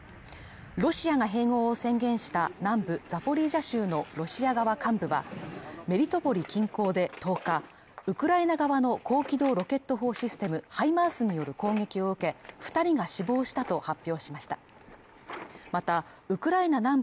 ロシアが併合を宣言した南部ザポリージャ州のロシア側幹部はメリトポリ近郊で１０日ウクライナ側の高機動ロケット砲システムハイマースによる攻撃を受け二人が死亡したと発表しました